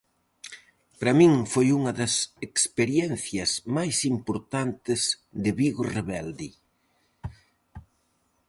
Para min foi unha das experiencias máis importantes de Vigo Rebelde.